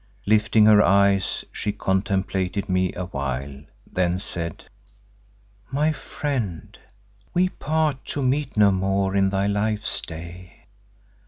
Lifting her eyes she contemplated me a while, then said, "My friend, we part to meet no more in thy life's day.